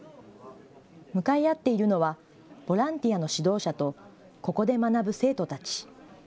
向かい合っているのは、ボランティアの指導者と、ここで学ぶ生徒たち。